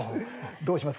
「どうします？